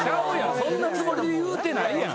そんなつもりで言うてないやん。